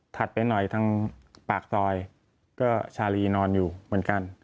ไปหน่อยทางปากซอยก็ชาลีนอนอยู่เหมือนกัน